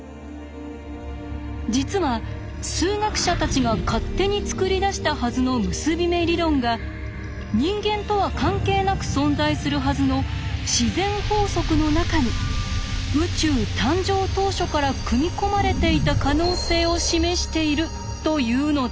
実は数学者たちが勝手に作り出したはずの結び目理論が人間とは関係なく存在するはずの自然法則の中に宇宙誕生当初から組み込まれていた可能性を示しているというのです。